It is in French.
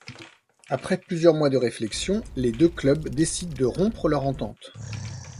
Après plusieurs mois de réflexion, les deux clubs décident de rompre leur entente.